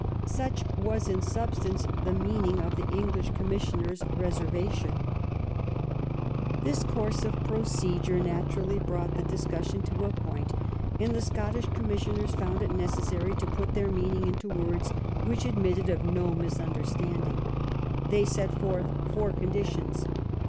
— such was, in substance, the meaning of the English commissioners' reservation. 171 THE RKIQN OF QUEEN ANNE This course of procedure naturally brought the dis cussion to a pointy and the Scottish commissioners found it necessary to put their meaning into words which admitted of no misunderstanding. They set forth four conditions.